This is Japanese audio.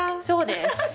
そうです。